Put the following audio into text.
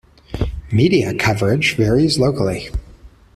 Media coverage varies locally.